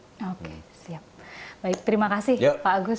oke siap baik terima kasih pak agus